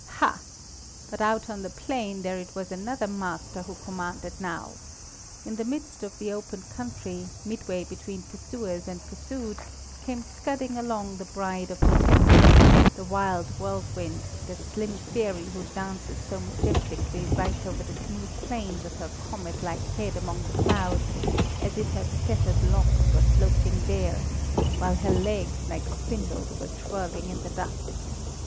Hah! but out on the plain there it was another Master who commanded now. In the midst of the open country, midway between pursuers and pursued, came scudding along the bride of the tempest, the wild whirlwind, that slim fairy who dances so majestically right over the smooth plain with her comet like head among the clouds, as if her scattered locks were floating there, while her legs, like spindles, were twirling in the dust.